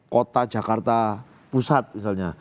kota jakarta pusat misalnya